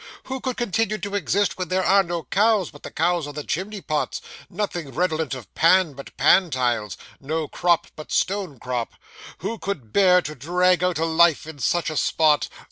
Who could continue to exist where there are no cows but the cows on the chimney pots; nothing redolent of Pan but pan tiles; no crop but stone crop? Who could bear to drag out a life in such a spot?